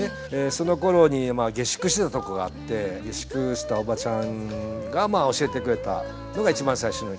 そのころに下宿してたとこがあって下宿してたおばちゃんが教えてくれたのが一番最初のきっかけですね。